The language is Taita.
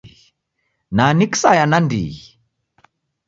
Na ni kisaya nandighi.